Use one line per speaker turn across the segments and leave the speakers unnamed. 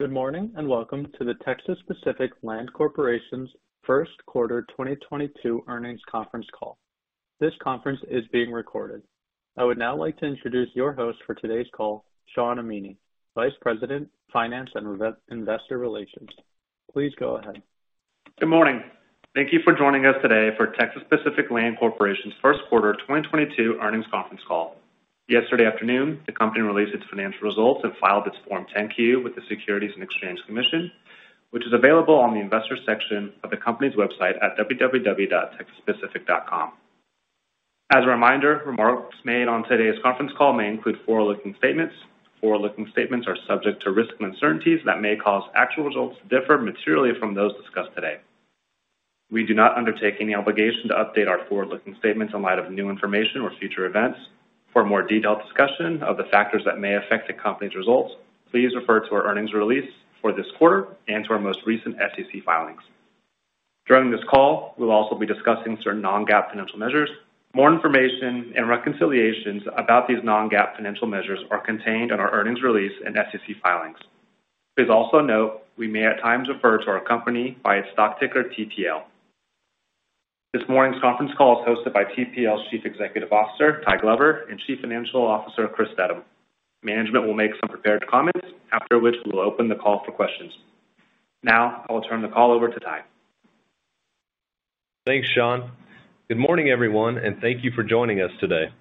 Good morning, and welcome to the Texas Pacific Land Corporation's First Quarter 2022 Earnings Conference Call. This conference is being recorded. I would now like to introduce your host for today's call, Shawn Amini, Vice President, Finance and Investor Relations. Please go ahead.
Good morning. Thank you for joining us today for Texas Pacific Land Corporation's First Quarter 2022 Earnings Conference Call. Yesterday afternoon, the company released its financial results and filed its Form 10-Q with the Securities and Exchange Commission, which is available on the investors section of the company's website at www.texaspacific.com. As a reminder, remarks made on today's conference call may include forward-looking statements. Forward-looking statements are subject to risks and uncertainties that may cause actual results to differ materially from those discussed today. We do not undertake any obligation to update our forward-looking statements in light of new information or future events. For a more detailed discussion of the factors that may affect the company's results, please refer to our earnings release for this quarter and to our most recent SEC filings. During this call, we'll also be discussing certain non-GAAP financial measures. More information and reconciliations about these non-GAAP financial measures are contained in our earnings release and SEC filings. Please also note we may at times refer to our company by its stock ticker, TPL. This morning's conference call is hosted by TPL's Chief Executive Officer, Tyler Glover, and Chief Financial Officer, Chris Steddum. Management will make some prepared comments, after which we'll open the call for questions. Now I'll turn the call over to Tyler.
Thanks, Shawn. Good morning, everyone, and thank you for joining us today.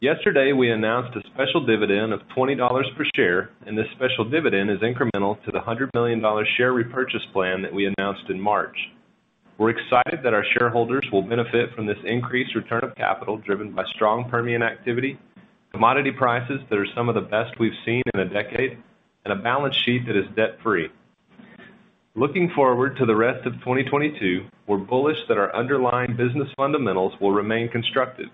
Yesterday, we announced a special dividend of $20 per share, and this special dividend is incremental to the $100 million share repurchase plan that we announced in March. We're excited that our shareholders will benefit from this increased return of capital driven by strong Permian activity, commodity prices that are some of the best we've seen in a decade, and a balance sheet that is debt-free. Looking forward to the rest of 2022, we're bullish that our underlying business fundamentals will remain constructive.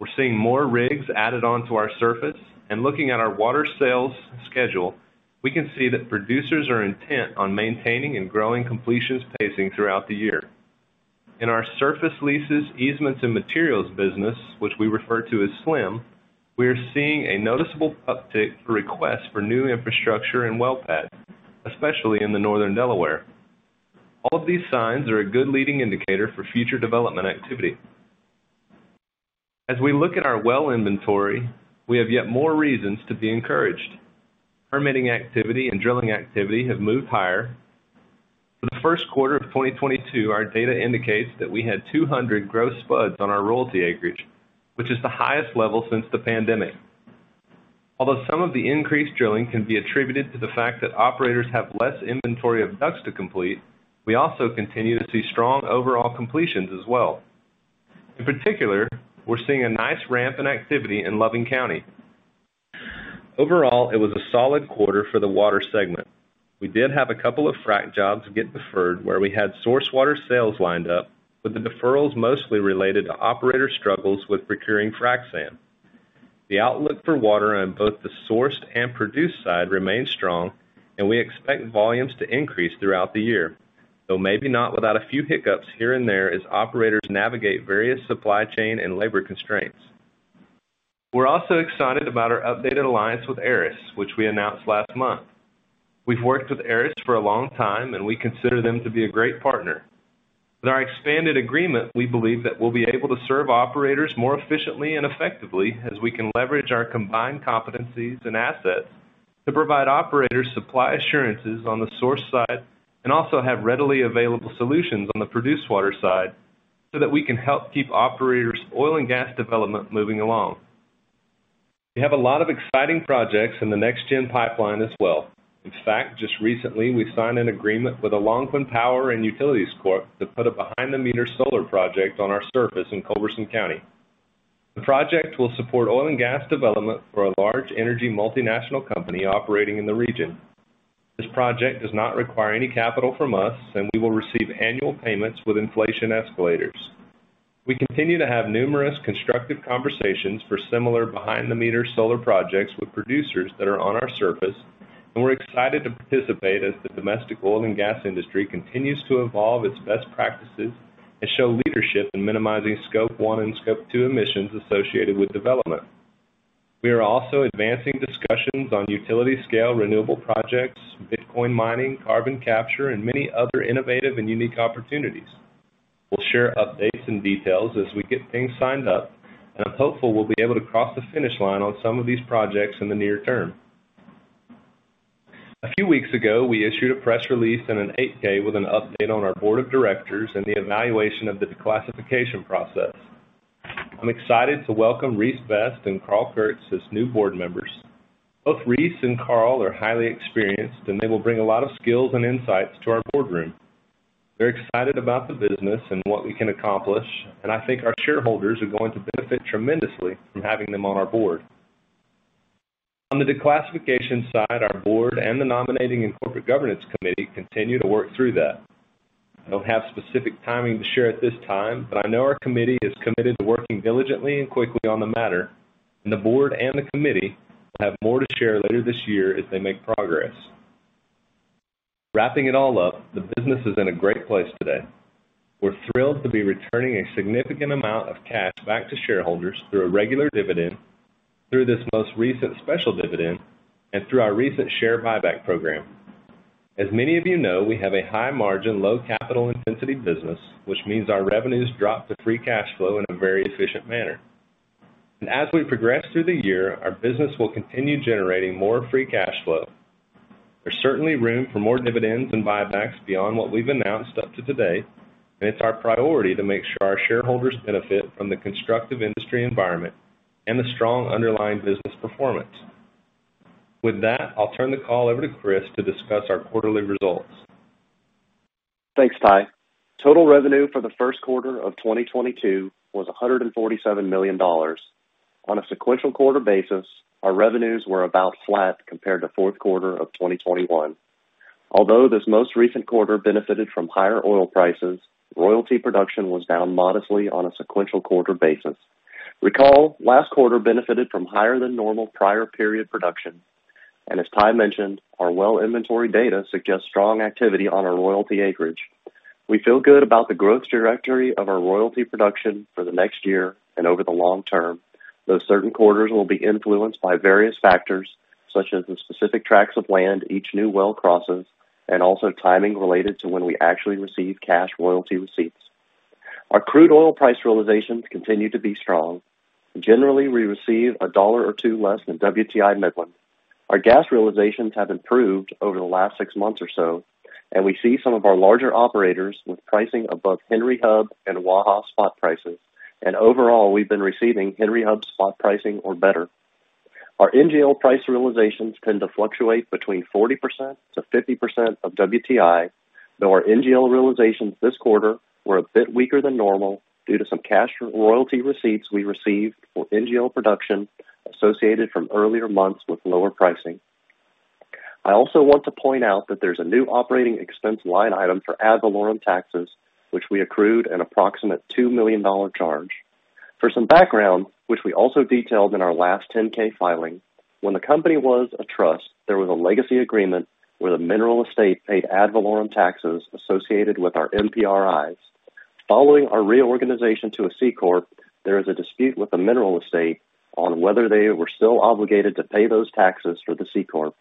We're seeing more rigs added onto our surface, and looking at our water sales schedule, we can see that producers are intent on maintaining and growing completions pacing throughout the year. In our surface leases, easements, and materials business, which we refer to as SLIM, we are seeing a noticeable uptick for requests for new infrastructure and well pads, especially in the Northern Delaware. All of these signs are a good leading indicator for future development activity. As we look at our well inventory, we have yet more reasons to be encouraged. Permitting activity and drilling activity have moved higher. For the first quarter of 2022, our data indicates that we had 200 gross spuds on our royalty acreage, which is the highest level since the pandemic. Although some of the increased drilling can be attributed to the fact that operators have less inventory of DUCs to complete, we also continue to see strong overall completions as well. In particular, we're seeing a nice ramp in activity in Loving County. Overall, it was a solid quarter for the water segment. We did have a couple of frack jobs get deferred where we had source water sales lined up, with the deferrals mostly related to operator struggles with procuring frack sand. The outlook for water on both the sourced and produced side remains strong, and we expect volumes to increase throughout the year, though maybe not without a few hiccups here and there as operators navigate various supply chain and labor constraints. We're also excited about our updated alliance with Aris, which we announced last month. We've worked with Aris for a long time, and we consider them to be a great partner. With our expanded agreement, we believe that we'll be able to serve operators more efficiently and effectively as we can leverage our combined competencies and assets to provide operators supply assurances on the source side and also have readily available solutions on the produced water side so that we can help keep operators' oil and gas development moving along. We have a lot of exciting projects in the next gen pipeline as well. In fact, just recently, we signed an agreement with Algonquin Power & Utilities Corp to put a behind-the-meter solar project on our surface in Culberson County. The project will support oil and gas development for a large energy multinational company operating in the region. This project does not require any capital from us, and we will receive annual payments with inflation escalators. We continue to have numerous constructive conversations for similar behind-the-meter solar projects with producers that are on our surface, and we're excited to participate as the domestic oil and gas industry continues to evolve its best practices and show leadership in minimizing Scope 1 and Scope 2 emissions associated with development. We are also advancing discussions on utility-scale renewable projects, Bitcoin mining, carbon capture, and many other innovative and unique opportunities. We'll share updates and details as we get things signed up, and I'm hopeful we'll be able to cross the finish line on some of these projects in the near term. A few weeks ago, we issued a press release and an 8-K with an update on our board of directors and the evaluation of the declassification process. I'm excited to welcome Rhys J. Best and Karl F. Kurz as new board members. Both Reese and Carl are highly experienced, and they will bring a lot of skills and insights to our boardroom. They're excited about the business and what we can accomplish, and I think our shareholders are going to benefit tremendously from having them on our board. On the declassification side, our board and the Nominating and Corporate Governance Committee continue to work through that. I don't have specific timing to share at this time, but I know our committee is committed to working diligently and quickly on the matter, and the board and the committee will have more to share later this year as they make progress. Wrapping it all up, the business is in a great place today. We're thrilled to be returning a significant amount of cash back to shareholders through a regular dividend, through this most recent special dividend, and through our recent share buyback program. As many of you know, we have a high margin, low capital intensity business, which means our revenues drop to free cash flow in a very efficient manner. As we progress through the year, our business will continue generating more free cash flow. There's certainly room for more dividends and buybacks beyond what we've announced up to date, and it's our priority to make sure our shareholders benefit from the constructive industry environment and the strong underlying business performance. With that, I'll turn the call over to Chris to discuss our quarterly results.
Thanks, Ty. Total revenue for the first quarter of 2022 was $147 million. On a sequential quarter basis, our revenues were about flat compared to fourth quarter of 2021. Although this most recent quarter benefited from higher oil prices, royalty production was down modestly on a sequential quarter basis. Recall, last quarter benefited from higher than normal prior period production. As Ty mentioned, our well inventory data suggests strong activity on our royalty acreage. We feel good about the growth trajectory of our royalty production for the next year and over the long term, though certain quarters will be influenced by various factors, such as the specific tracts of land each new well crosses and also timing related to when we actually receive cash royalty receipts. Our crude oil price realizations continue to be strong. Generally, we receive $1 or $2 less than WTI Midland. Our gas realizations have improved over the last 6 months or so, and we see some of our larger operators with pricing above Henry Hub and WAHA spot prices. Overall, we've been receiving Henry Hub spot pricing or better. Our NGL price realizations tend to fluctuate between 40%-50% of WTI, though our NGL realizations this quarter were a bit weaker than normal due to some cash royalty receipts we received for NGL production associated from earlier months with lower pricing. I also want to point out that there's a new operating expense line item for ad valorem taxes, which we accrued an approximate $2 million charge. For some background, which we also detailed in our last 10-K filing, when the company was a trust, there was a legacy agreement where the mineral estate paid ad valorem taxes associated with our NPRIs. Following our reorganization to a C-corp, there is a dispute with the mineral estate on whether they were still obligated to pay those taxes for the C-corp.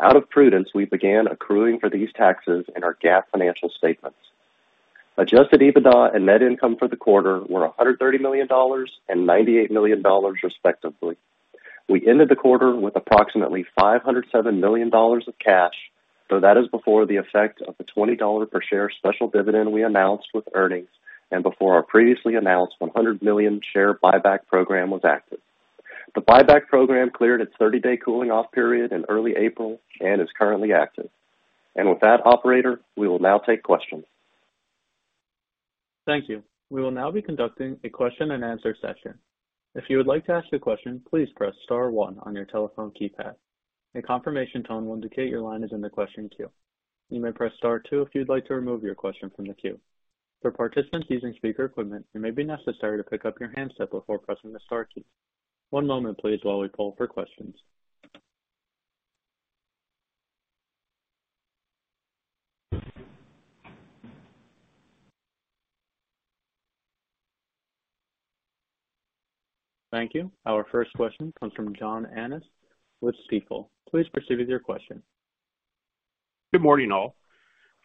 Out of prudence, we began accruing for these taxes in our GAAP financial statements. Adjusted EBITDA and net income for the quarter were $130 million and $98 million, respectively. We ended the quarter with approximately $507 million of cash, though that is before the effect of the $20 per share special dividend we announced with earnings and before our previously announced $100 million share buyback program was active. The buyback program cleared its 30-day cooling off period in early April and is currently active. With that, operator, we will now take questions.
Thank you. We will now be conducting a question-and-answer session. If you would like to ask a question, please press star one on your telephone keypad. A confirmation tone will indicate your line is in the question queue. You may press star two if you'd like to remove your question from the queue. For participants using speaker equipment, it may be necessary to pick up your handset before pressing the star key. One moment please while we poll for questions. Thank you. Our first question comes from John Annis with Stifel. Please proceed with your question.
Good morning, all.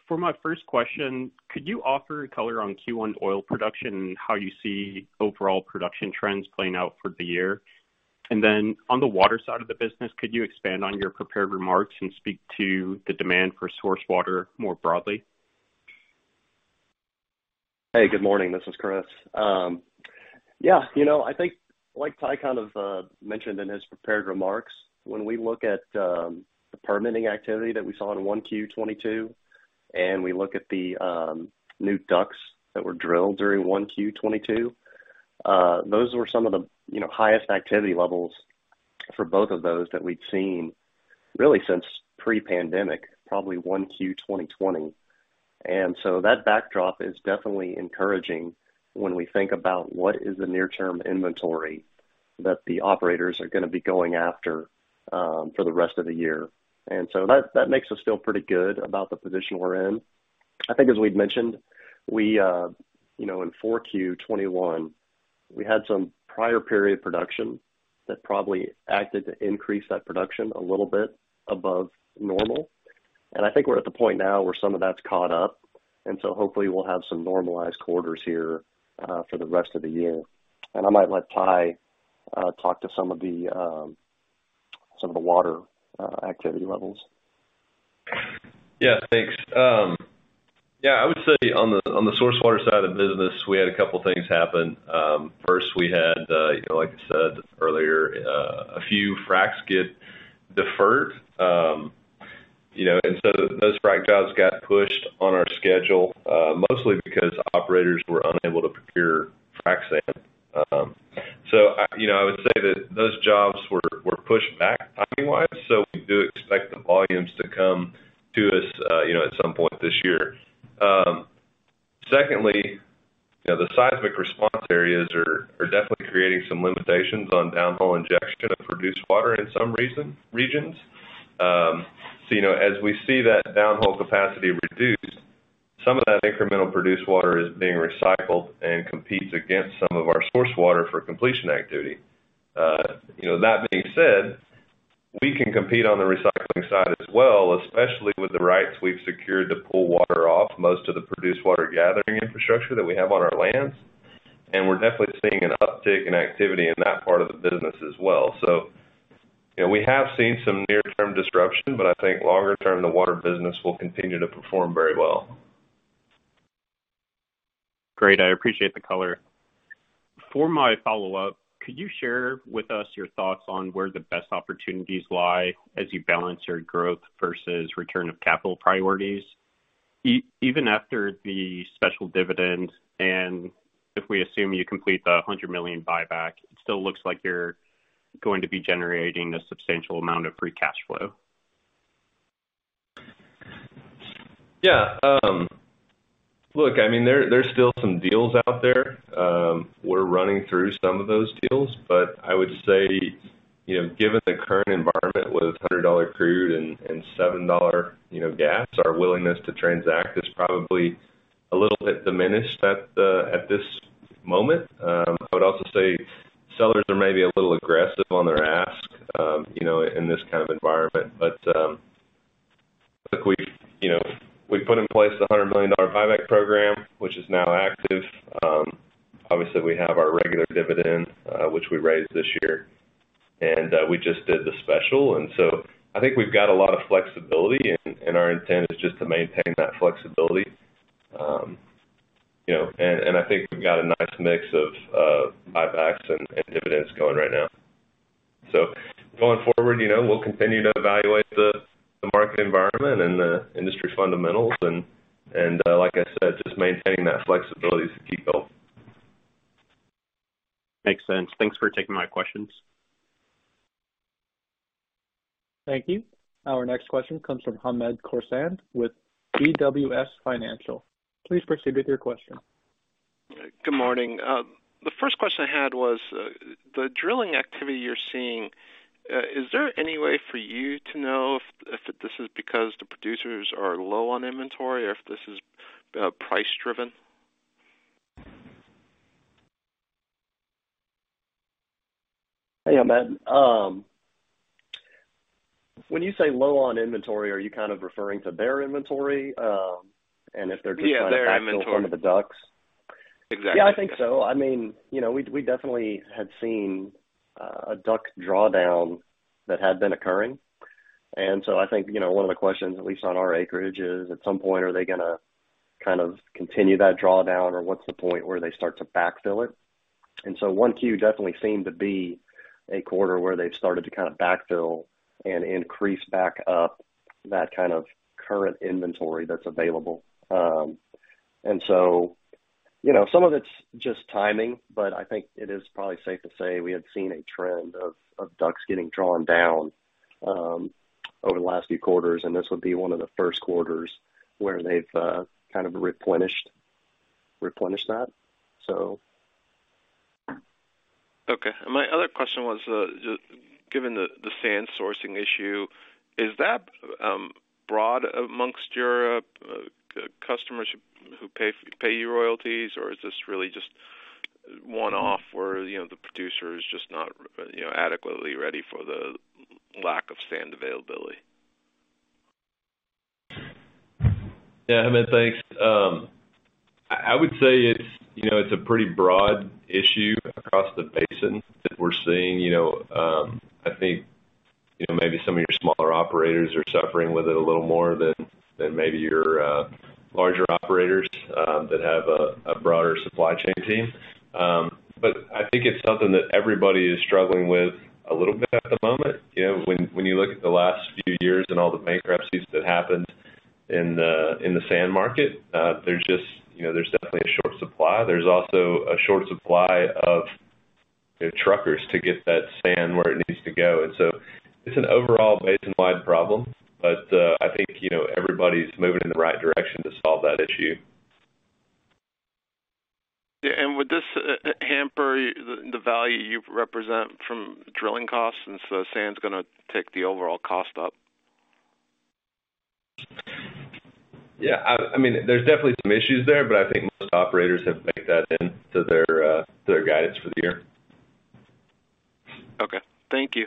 For my first question, could you offer color on Q1 oil production and how you see overall production trends playing out for the year? On the water side of the business, could you expand on your prepared remarks and speak to the demand for source water more broadly?
Hey, good morning. This is Chris. Yeah, you know, I think like Ty kind of mentioned in his prepared remarks, when we look at the permitting activity that we saw in Q1 2022 and we look at the new DUCs that were drilled during Q1 2022, those were some of the, you know, highest activity levels for both of those that we'd seen really since pre-pandemic, probably 1Q 2020. That makes us feel pretty good about the position we're in. I think as we'd mentioned, we in Q4 2021 had some prior period production that probably acted to increase that production a little bit above normal. I think we're at the point now where some of that's caught up, and so hopefully we'll have some normalized quarters here for the rest of the year. I might let Ty talk to some of the water activity levels.
Yeah, thanks. I would say on the source water side of the business, we had a couple things happen. First, we had, you know, like I said earlier, a few fracs get deferred. You know, and so those frac jobs got pushed on our schedule, mostly because operators were unable to procure frac sand. You know, I would say that those jobs were pushed back timing-wise, so we do expect the volumes to come to us, you know, at some point this year. Secondly, you know, the seismic response areas are definitely creating some limitations on downhole injection of produced water in some regions. You know, as we see that downhole capacity reduced, some of that incremental produced water is being recycled and competes against some of our source water for completion activity. You know, that being said, we can compete on the recycling side as well, especially with the rights we've secured to pull water off most of the produced water gathering infrastructure that we have on our lands. We're definitely seeing an uptick in activity in that part of the business as well. You know, we have seen some near-term disruption, but I think longer term, the water business will continue to perform very well.
Great. I appreciate the color. For my follow-up, could you share with us your thoughts on where the best opportunities lie as you balance your growth versus return of capital priorities? Even after the special dividend, and if we assume you complete the $100 million buyback, it still looks like you're going to be generating a substantial amount of free cash flow.
Yeah. Look, I mean, there's still some deals out there. We're running through some of those deals, but I would say, you know, given the current environment with $100 crude and $7, you know, gas, our willingness to transact is probably a little bit diminished at this moment. I would also say sellers are maybe a little aggressive on their ask, you know, in this kind of environment. Look, you know, we've put in place the $100 million buyback program, which is now active. Obviously, we have our regular dividend, which we raised this year, and we just did the special. I think we've got a lot of flexibility, and our intent is just to maintain that flexibility. You know, I think we've got a nice mix of buybacks and dividends going right now. Going forward, you know, we'll continue to evaluate the market environment and the industry fundamentals and like I said, just maintaining that flexibility is the key goal.
Makes sense. Thanks for taking my questions.
Thank you. Our next question comes from Hamed Khorsand with BWS Financial. Please proceed with your question.
Good morning. The first question I had was, the drilling activity you're seeing, is there any way for you to know if this is because the producers are low on inventory or if this is price driven?
Hey, Hamed. When you say low on inventory, are you kind of referring to their inventory, and if they're just trying to?
Yeah, their inventory.
Fill some of the DUCs?
Exactly.
Yeah, I think so. I mean, you know, we definitely had seen a DUCs drawdown that had been occurring. I think, you know, one of the questions, at least on our acreage, is at some point, are they gonna kind of continue that drawdown or what's the point where they start to backfill it? Q1 definitely seemed to be a quarter where they've started to kind of backfill and increase back up that kind of current inventory that's available. You know, some of it's just timing, but I think it is probably safe to say we had seen a trend of DUCs getting drawn down over the last few quarters, and this would be one of the first quarters where they've kind of replenished that.
Okay. My other question was, given the sand sourcing issue, is that broad among your customers who pay you royalties or is this really just one-off where, you know, the producer is just not, you know, adequately ready for the lack of sand availability?
Yeah, Hamed, thanks. I would say it's, you know, it's a pretty broad issue across the basin that we're seeing. You know, I think, you know, maybe some of your smaller operators are suffering with it a little more than maybe your larger operators that have a broader supply chain team. I think it's something that everybody is struggling with a little bit at the moment. You know, when you look at the last few years and all the bankruptcies that happened in the sand market, there's just, you know, there's definitely a short supply. There's also a short supply of, you know, truckers to get that sand where it needs to go. It's an overall basin-wide problem, but I think, you know, everybody's moving in the right direction to solve that issue.
Yeah. Would this hamper the value you represent from drilling costs, and so sand's gonna take the overall cost up?
Yeah. I mean, there's definitely some issues there, but I think most operators have baked that into their guidance for the year.
Okay. Thank you.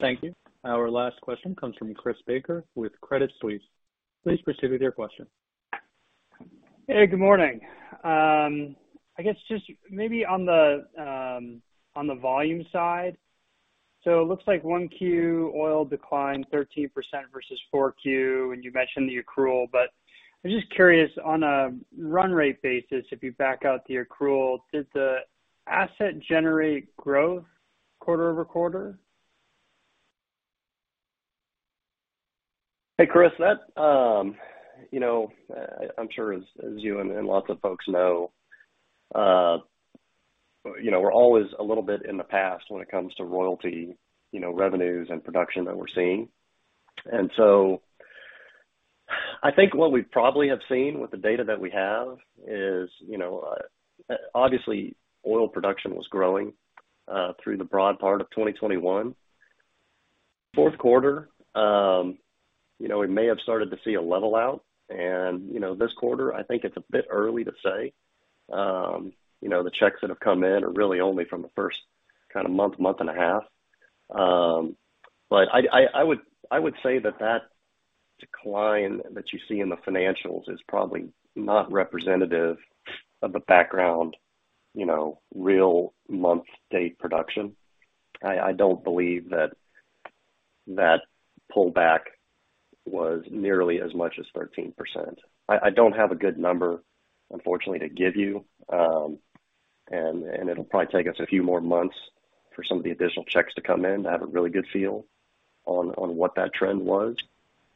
Thank you. Our last question comes from Chris Baker with Credit Suisse. Please proceed with your question.
Hey, good morning. I guess just maybe on the volume side. It looks like 1Q oil declined 13% versus 4Q, and you mentioned the accrual, but I'm just curious, on a run rate basis, if you back out the accrual, did the asset generate growth quarter-over-quarter?
Hey, Chris. You know, I'm sure as you and lots of folks know,
You know, we're always a little bit in the past when it comes to royalty, you know, revenues and production that we're seeing. I think what we probably have seen with the data that we have is, you know, obviously oil production was growing through the broad part of 2021. Fourth quarter, you know, we may have started to see a level out and, you know, this quarter, I think it's a bit early to say. The checks that have come in are really only from the first kind of month and a half. I would say that that decline that you see in the financials is probably not representative of the background, you know, real month-to-date production. I don't believe that that pullback was nearly as much as 13%. I don't have a good number, unfortunately, to give you. It'll probably take us a few more months for some of the additional checks to come in to have a really good feel on what that trend was.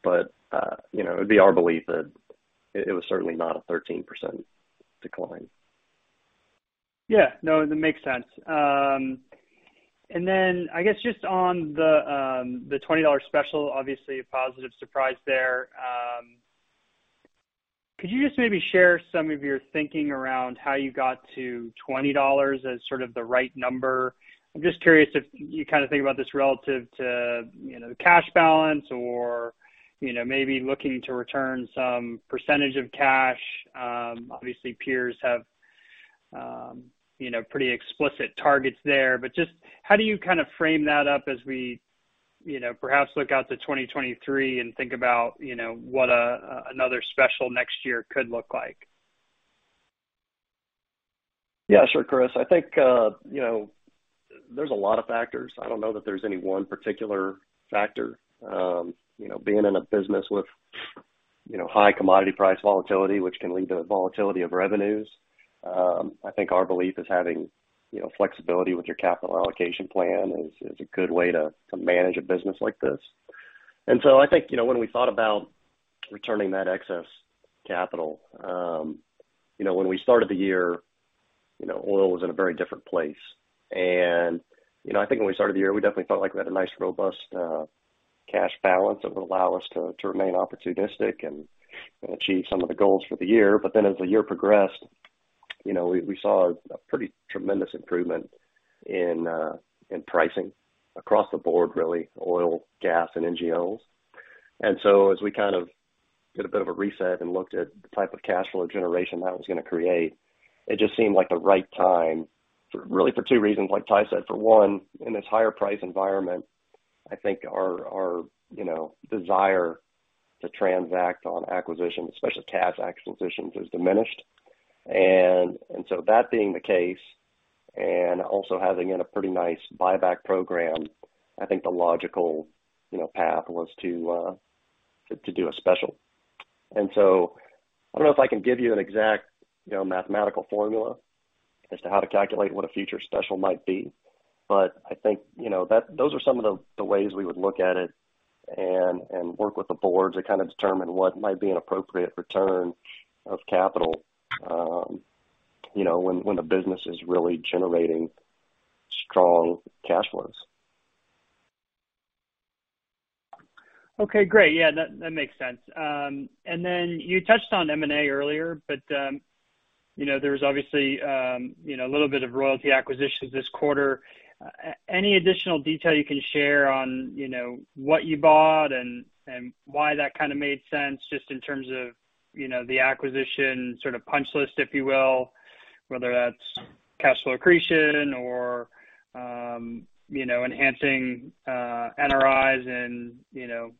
You know, it'd be our belief that it was certainly not a 13% decline.
Yeah. No, that makes sense. I guess just on the $20 special, obviously a positive surprise there. Could you just maybe share some of your thinking around how you got to $20 as sort of the right number? I'm just curious if you kinda think about this relative to, you know, cash balance or, you know, maybe looking to return some percentage of cash. Obviously peers have, you know, pretty explicit targets there, but just how do you kind of frame that up as we, you know, perhaps look out to 2023 and think about, you know, what another special next year could look like?
Yeah, sure, Chris. I think you know, there's a lot of factors. I don't know that there's any one particular factor. You know, being in a business with you know, high commodity price volatility, which can lead to volatility of revenues, I think our belief is having you know, flexibility with your capital allocation plan is a good way to manage a business like this. I think you know, when we thought about returning that excess capital, you know, when we started the year, you know, oil was in a very different place. You know, I think when we started the year, we definitely felt like we had a nice, robust cash balance that would allow us to remain opportunistic and achieve some of the goals for the year. As the year progressed, you know, we saw a pretty tremendous improvement in pricing across the board, really, oil, gas, and NGLs. As we kind of did a bit of a reset and looked at the type of cash flow generation that was gonna create, it just seemed like the right time for two reasons, like Ty said. For one, in this higher price environment, I think our desire to transact on acquisitions, especially cash acquisitions, is diminished. That being the case and also having a pretty nice buyback program, I think the logical path was to do a special. I don't know if I can give you an exact, you know, mathematical formula as to how to calculate what a future special might be, but I think, you know, that those are some of the ways we would look at it and work with the board to kinda determine what might be an appropriate return of capital, you know, when the business is really generating strong cash flows.
Okay, great. Yeah. That makes sense. And then you touched on M&A earlier, but you know, there's obviously you know, a little bit of royalty acquisitions this quarter. Any additional detail you can share on, you know, what you bought and why that kinda made sense just in terms of, you know, the acquisition sort of punch list, if you will, whether that's cash flow accretion or you know, enhancing NRIs and you know,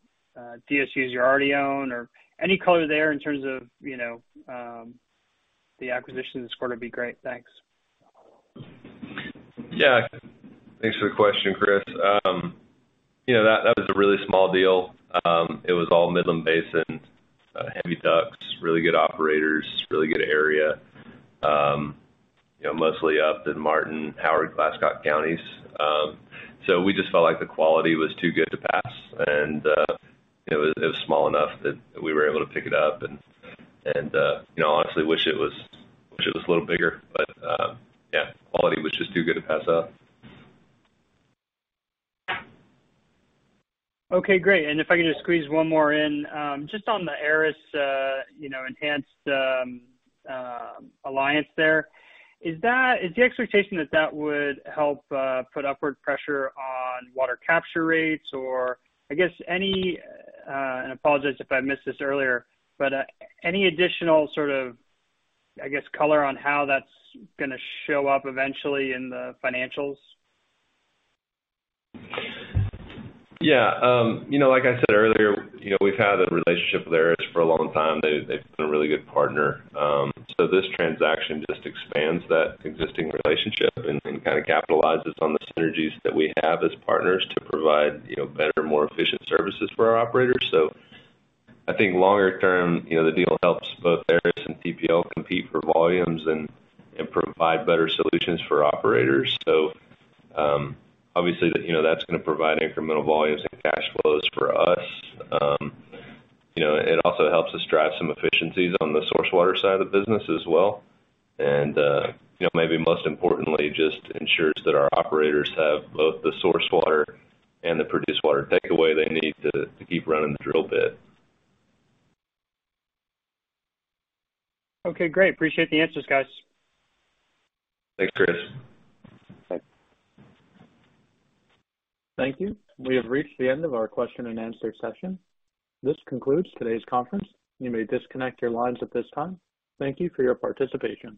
DSUs you already own or any color there in terms of, you know, the acquisition this quarter would be great. Thanks.
Yeah. Thanks for the question, Chris. You know, that was a really small deal. It was all Midland Basin, heavy DUCs, really good operators, really good area. You know, mostly up in Martin, Howard, Glasscock counties. We just felt like the quality was too good to pass. It was small enough that we were able to pick it up. You know, obviously wish it was a little bigger. Yeah, quality was just too good to pass up.
Okay, great. If I can just squeeze one more in, just on the Aris, you know, enhanced alliance there, is the expectation that that would help put upward pressure on water capture rates? Or I guess any, and apologize if I missed this earlier, but, any additional sort of, I guess, color on how that's gonna show up eventually in the financials?
Yeah, you know, like I said earlier, you know, we've had a relationship with Aris for a long time. They've been a really good partner. This transaction just expands that existing relationship and kinda capitalizes on the synergies that we have as partners to provide, you know, better, more efficient services for our operators. I think longer term, you know, the deal helps both Aris and TPL compete for volumes and provide better solutions for operators. Obviously, you know, that's gonna provide incremental volumes and cash flows for us. You know, it also helps us drive some efficiencies on the source water side of the business as well. You know, maybe most importantly, just ensures that our operators have both the source water and the produced water takeaway they need to keep running the drill bit.
Okay, great. Appreciate the answers, guys.
Thanks, Chris.
Thanks.
Thank you. We have reached the end of our question and answer session. This concludes today's conference. You may disconnect your lines at this time. Thank you for your participation.